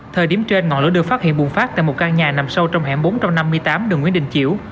thời điểm trên ngọn lửa được phát hiện bùng phát tại một căn nhà nằm sâu trong hẻm bốn trăm năm mươi tám đường nguyễn đình chiểu